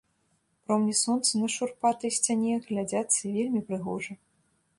Промні сонца на шурпатай сцяне глядзяцца вельмі прыгожа.